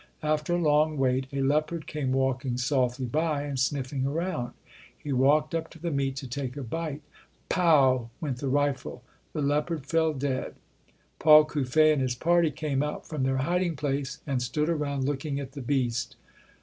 After a long wait a leopard came walking softly by and sniffing around. He walked up to the meat to take a bite. "Pow", 258 ] UNSUNG HEROES went the rifle. The leopard fell dead. Paul Cuffe and his party came out from their hiding place, and stood around looking at the beast.